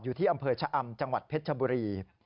อยู่ที่อำเภอชะอำจังหวัดเพชรชบุรี